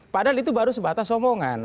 padahal itu baru sebatas omongan